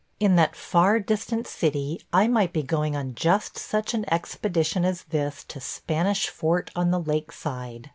... In that far distant city I might be going on just such an expedition as this to Spanish Fort on the Lakeside.